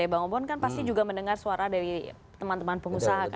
bang obon kan pasti juga mendengar suara dari teman teman pengusaha kan